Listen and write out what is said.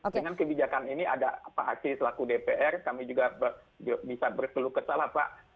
dengan kebijakan ini ada apa apa asli selaku dpr kami juga bisa berkeluh keluh ke salah pak